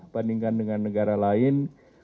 bandingkan dengan negara lain